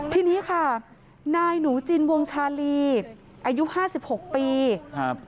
ทีนี้ค่ะนายหนูจินวงชาลีอายุห้าสิบหกปีครับ